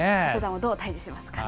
どう対じしますかね。